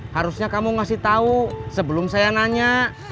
harusnya kamu kasih tau sebelum saya nanya